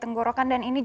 menambah keadaan ini